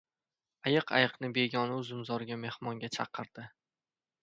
• Ayiq ayiqni begona uzumzorga mehmonga chaqirdi.